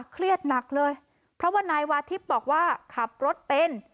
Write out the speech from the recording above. เครียดหนักเลยเพราะว่านายวาทิพย์บอกว่าขับรถเป็น